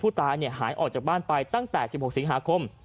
ผู้ตายเนี่ยหายออกจากบ้านไปตั้งแต่สิบหกสิบหาคม